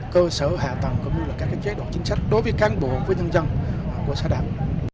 cơ sở hạ tầng cũng như là các chế độ chính sách đối với cán bộ với nhân dân của xã đảng